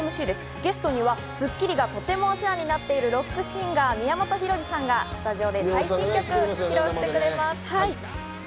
ゲストには『スッキリ』がとてもお世話になっているロックシンガー・宮本浩次さんがスタジオで最新曲を生歌披露してくれます。